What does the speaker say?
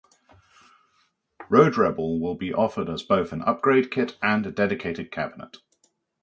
Road Rebel will be offered as both an upgrade kit and a dedicated cabinet.